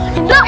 lo indah lu